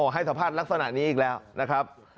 ให้สัมภาษณ์ลักษณะนี้อีกแล้วนะครับ